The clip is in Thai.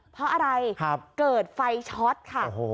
เพราะอะไรเกิดไฟช็อตค่ะ